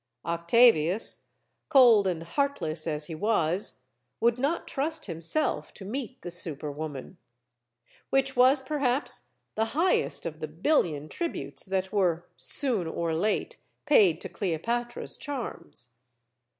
Octavius, cold and heartless as he was, would not trust himself to meet the super woman; which was, perhaps, the highest of the billion tributes that were, soon or late, paid to Cleopatra's charms.